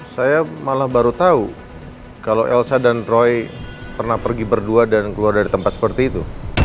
saya malah baru tahu kalau elsa dan roy pernah pergi berdua dan keluar dari tempat seperti itu